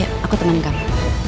ya aku temenin kamu